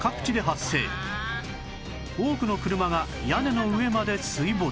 多くの車が屋根の上まで水没